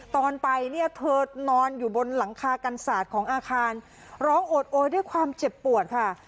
ตอนไปเนี่ยเธอนอนอยู่บนหลังคากันศาสตร์ของอาคารร้องโอดโอยด้วยความเจ็บปวดค่ะ